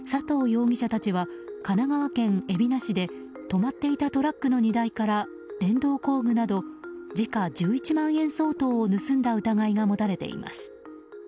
容疑者たちは神奈川県海老名市で止まっていたトラックの荷台から電動工具など時価１１万円相当を盗んだ疑いが持たれています。